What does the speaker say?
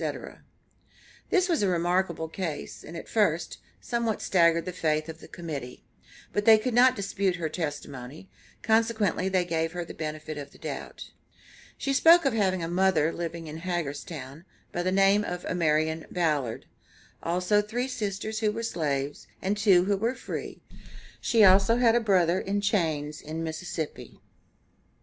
This was a remarkable case, and, at first, somewhat staggered the faith of the Committee, but they could not dispute her testimony, consequently they gave her the benefit of the doubt. She spoke of having a mother living in Hagerstown, by the name of Amarian Ballad, also three sisters who were slaves, and two who were free; she also had a brother in chains in Mississippi.